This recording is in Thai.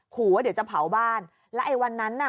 ขอว่าเดี๋ยวจะเผาบ้านแล้วไอ้วันนั้นน่ะ